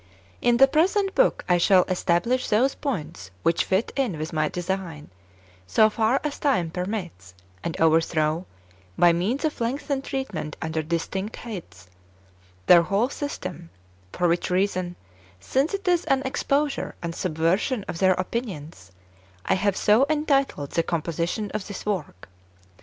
2. In the present book, I shall establish those points which fit in with my design, so far as time permits, and overthrow, by means of lengthened treatment under distinct heads, their whole system ; for which reason, since it is an exposure and subversion of their opinions, I have so entitled the composi tion of this work.